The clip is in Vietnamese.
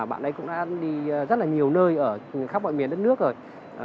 bạn ấy cũng đã đi rất là nhiều nơi ở khắp mọi miền đất nước rồi